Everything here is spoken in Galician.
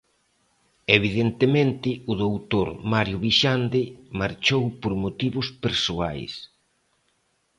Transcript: Evidentemente, o doutor Mario Vixande marchou por motivos persoais.